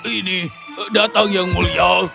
ini datang yang mulia